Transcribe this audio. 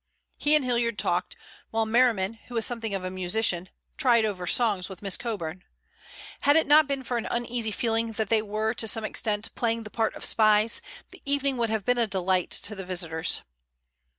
He and Hilliard talked, while Merriman, who was something of a musician, tried over songs with Miss Coburn. Had it not been for an uneasy feeling that they were to some extent playing the part of spies, the evening would have been a delight to the visitors.